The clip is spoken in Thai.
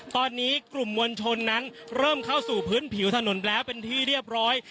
ตอนนี้กลุ่มมวลชนนั้นเริ่มเข้าสู่พื้นผิวถนนแล้วเป็นที่เรียบร้อย